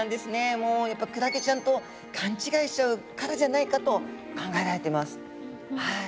もうやっぱクラゲちゃんと勘違いしちゃうからじゃないかと考えられてます。